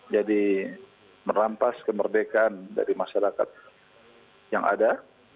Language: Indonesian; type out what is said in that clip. jadi merampas kemerdekaan dari masyarakat yang ada